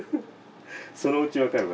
そのうち分かるわ。